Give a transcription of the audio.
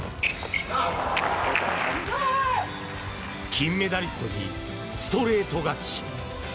金メダリストにストレート勝ち。